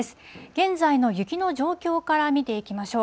現在の雪の状況から見ていきましょう。